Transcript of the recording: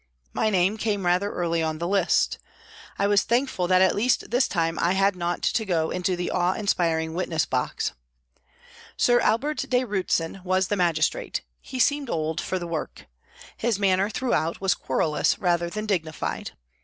My name came rather early on the list. I was thankful that at least this time I had not to go into the awe inspiring witness box. Sir Albert de Riitzen was the magistrate; he seemed old for the work. His manner throughout was querulous rather than dignified.